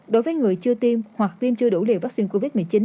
đối với người chưa tiêm hoặc viêm chưa đủ liều vaccine covid một mươi chín